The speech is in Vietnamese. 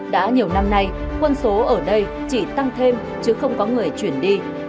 đã nhiều năm nay quân số ở đây chỉ tăng thêm chứ không có người chuyển đi